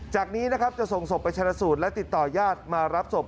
จากนี้นะครับจะส่งศพไปชนะสูตรและติดต่อยาดมารับศพ